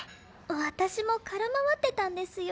私も空回ってたんですよ。